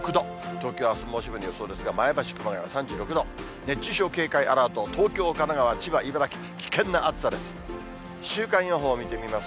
東京、あすの予想ですが、前橋、熊谷は３６度、熱中症警戒アラート、東京、神奈川、千葉、茨城、危険な暑さです。